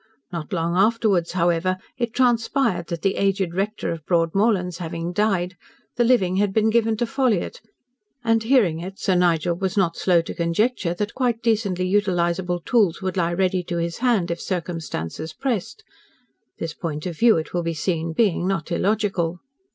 Not long afterwards, however, it transpired that the aged rector of Broadmorlands having died, the living had been given to Ffolliott, and, hearing it, Sir Nigel was not slow to conjecture that quite decently utilisable tools would lie ready to his hand if circumstances pressed; this point of view, it will be seen, being not illogical.